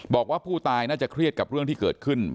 บอกว่าผู้ตายน่าจะเครียดกับเรื่องที่เกิดขึ้น